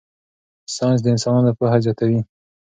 ساینس د انسانانو پوهه زیاتوي.